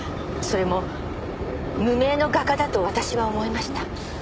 それも無名の画家だと私は思いました。